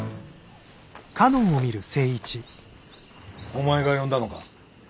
お前が呼んだのか？